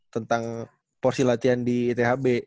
tentang porsi latihan di ithb